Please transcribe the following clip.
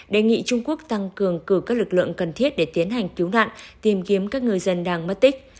đề nghị trung quốc tăng cường cử các lực lượng cần thiết để tiến hành cứu nạn tìm kiếm các người dân đang mất tích